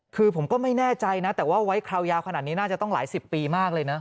คือผมก็ไม่แน่ใจนะแต่ว่าไว้คราวยาวขนาดนี้น่าจะต้องหลายสิบปีมากเลยนะ